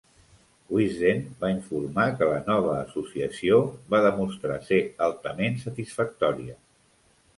"Wisden" va informar que la nova associació "va demostrar ser altament satisfactòria".